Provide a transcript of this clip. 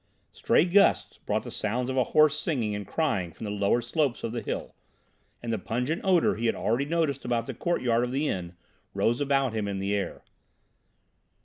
Stray gusts brought the sounds of hoarse singing and crying from the lower slopes of the hill, and the pungent odour he had already noticed about the courtyard of the inn rose about him in the air.